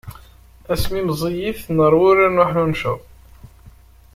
Asmi i meẓẓiyit, nerwa urar n uḥnucceḍ.